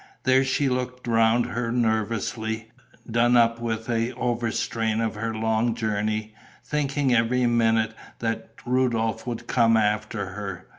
There she looked round her nervously, done up with the overstrain of her long journey, thinking every minute that Rudolph would come after her.